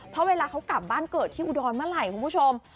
เพราะเวลาเขากลับบ้านเกิดที่อุดรเมื่อไหร่คุณผู้ชม